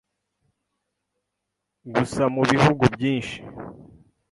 Gusa mu bihugu byinshi,